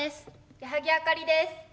矢作あかりです。